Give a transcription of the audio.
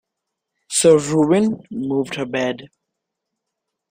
So Reuben moved her bed.